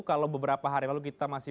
kalau beberapa hari lalu kita masih